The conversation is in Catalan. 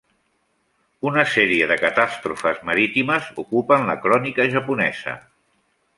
Una sèrie de catàstrofes marítimes ocupen la crònica japonesa.